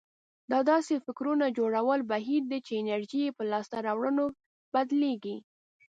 دا داسې فکرونه جوړولو بهير دی چې انرژي يې په لاسته راوړنو بدلېږي.